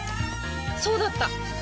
そうだった！